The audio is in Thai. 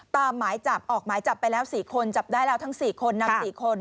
หมายจับออกหมายจับไปแล้ว๔คนจับได้แล้วทั้ง๔คนนำ๔คน